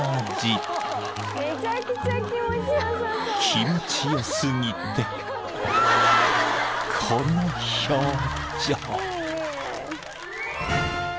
［気持ち良過ぎてこの表情］